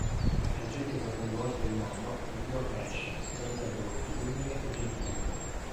La tragedia che ha coinvolto il nonno cambiò Crash, rendendolo più umile e gentile.